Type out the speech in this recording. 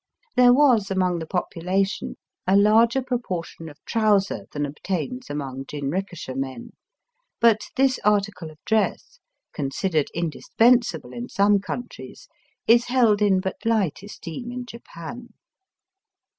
There was among the population a larger propor tion of trousef than obtains among jinrikisha men ; but this article of dress, considered in dispensable in some countries, is held in but light esteem in Japan.